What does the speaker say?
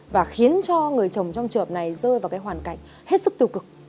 và khiến cho người chồng trong trợp này rơi vào cái hoàn cảnh hết sức tiêu cực